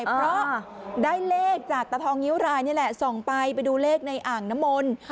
เพราะได้เลขจากตาทองงิ้วรายนี่แหละส่องไปไปดูเลขในอ่างน้ำมนต์